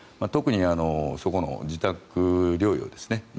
特にそこの自宅療養ですね。